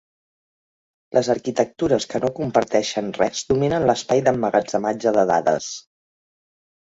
Les arquitectures que no comparteixen res dominen l'espai d'emmagatzematge de dades.